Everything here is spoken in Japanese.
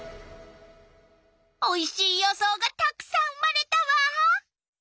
おいしい予想がたくさん生まれたわ！